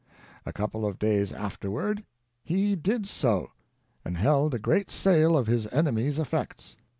A couple of days afterward lie did so, and held a great sale of his enemy's ef fects.